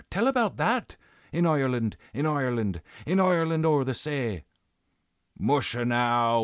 tell about that, In Ireland, in Ireland, In Ireland o'er the say!" "Musha now!